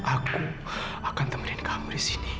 aku akan temenin kamu di sini